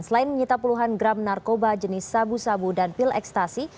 selain menyita puluhan gram narkoba jenis sabu sabu dan pil ekstasi